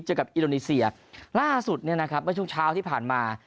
กับอินโดนีเซียล่าสุดเนี่ยนะครับเมื่อช่วงเช้าที่ผ่านมา